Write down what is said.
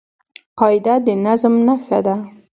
قاعده د نظم نخښه ده.